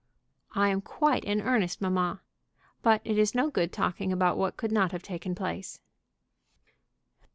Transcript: "I am quite in earnest, mamma. But it is no good talking about what could not have taken place."